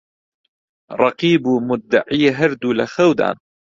ڕەقیب و موددەعی هەردوو لە خەودان